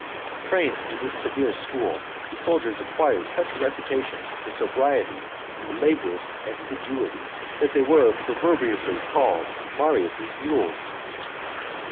Trained in this severe school, the soldiers acquired such a reputation for sobriety and laborious assiduity, that they were proverbially called Marius's mules.